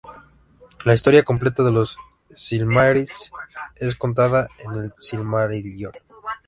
La historia completa de los Silmarils es contada en "El Silmarillion".